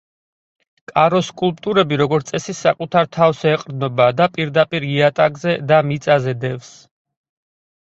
კაროს სკულპტურები როგორც წესი საკუთარ თავს ეყრდნობა და პირდაპირ იატაკზე და მიწაზე დევს.